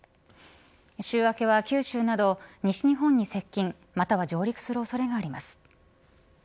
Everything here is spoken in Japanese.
週明けは九州など西日本に接近または上陸する恐れがあります。